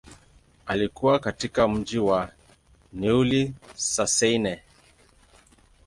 Alikua katika mji wa Neuilly-sur-Seine.